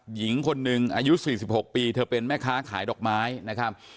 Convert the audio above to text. หญิงคนหนึ่งอายุ๔๖ปีเธอเป็นแม่ค้าขายดอกไม้นะครับ